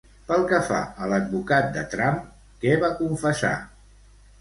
Pel que fa a l'advocat de Trump, què va confessar?